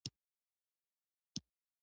خپلې ستونزې تاسو ته ووایي هر څه پرېږدئ.